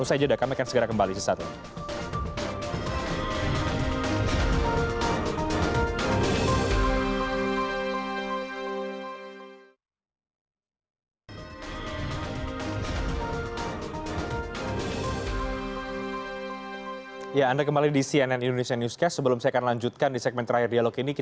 usai jeda kami akan segera kembali sesaat ini